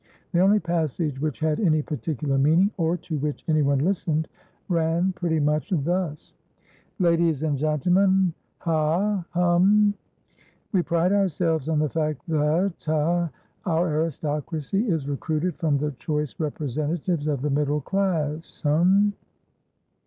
The only passage which had any particular meaning, or to which anyone listened, ran pretty much thus: "Ladies and gentlemanhahumwe pride ourselves on the fact thathaour Aristocracy is recruited from the choice representatives of the middle classhum.